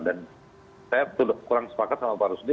dan saya kurang sepakat sama pak rusdi